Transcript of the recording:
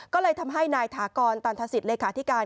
ก็เลยทำให้นายถากรตันทศิษย์เลขาธิการ